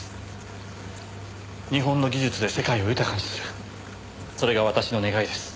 日本の技術で世界を豊かにするそれが私の願いです。